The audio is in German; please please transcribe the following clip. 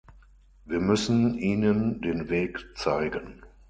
Wir müssen ihnen den Weg zeigen.